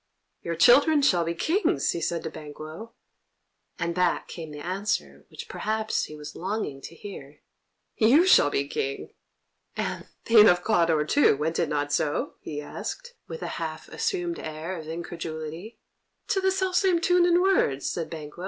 "Your children shall be Kings," he said to Banquo; and back came the answer which perhaps he was longing to hear: "You shall be King!" "And Thane of Cawdor, too, went it not so?" he asked, with a half assumed air of incredulity. "To the self same tune and words," said Banquo.